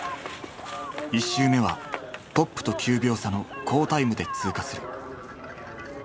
１周目はトップと９秒差の好タイムで通過する。